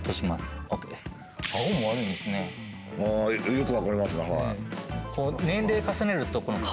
よく分かりますね。